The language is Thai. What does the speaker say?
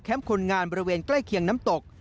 คนงานบริเวณใกล้เคียงน้ำตก